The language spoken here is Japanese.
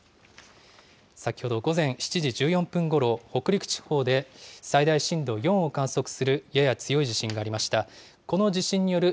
先ほど午前７時１４分ごろ、北陸地方で最大震度４を観測するやや強い地震がありました。